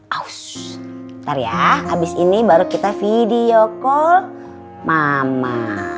aus tariah habis ini baru kita video call mama